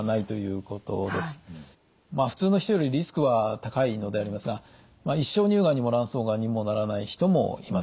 まあ普通の人よりリスクは高いのでありますが一生乳がんにも卵巣がんにもならない人もいます。